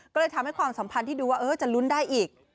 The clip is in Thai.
ก็เลยทำให้ความสัมพันธ์ที่ดูว่าจะลุ้นได้อีก